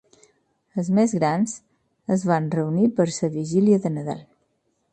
Els més grans es van reunir per la vigília de Nadal.